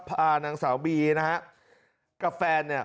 พานางสาวบีนะฮะกับแฟนเนี่ย